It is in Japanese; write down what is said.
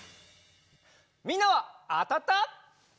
みんなはあたった？